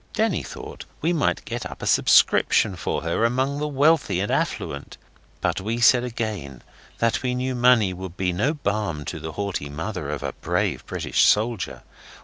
Denny thought we might get up a subscription for her among the wealthy and affluent, but we said again that we knew money would be no balm to the haughty mother of a brave British soldier.